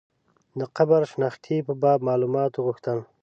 د قبر د شنختې په باب معلومات وغوښتل.